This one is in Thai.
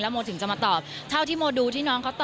โมถึงจะมาตอบเท่าที่โมดูที่น้องเขาตอบ